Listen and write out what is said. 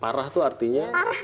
parah tuh artinya